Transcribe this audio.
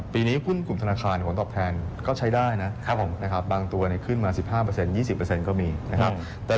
ปีนี้พลุ่มกลุ่มธนาคารหวังตอบแทนก็ใช้ได้นะบางตัวขึ้นมา๑๕๒๐ก็มีนะครับ